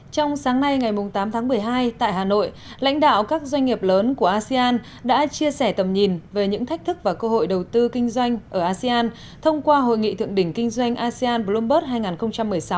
trong sáng nay ngày tám tháng một mươi hai tại hà nội lãnh đạo các doanh nghiệp lớn của asean đã chia sẻ tầm nhìn về những thách thức và cơ hội đầu tư kinh doanh ở asean thông qua hội nghị thượng đỉnh kinh doanh asean bloomberg hai nghìn một mươi sáu